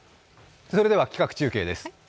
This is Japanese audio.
それでは企画中継です。